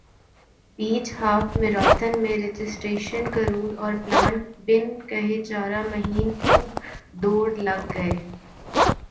بیچ half marathon میں registration کروال اور پلان بن کہہ چارہ مہین خوب دوڑ لگ گے